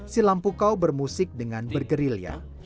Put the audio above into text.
si lampukau bermusik dengan bergerilya